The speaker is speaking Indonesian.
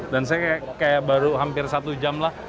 dan saya kayak baru hampir satu jam lah